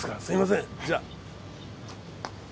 すいませんじゃあ。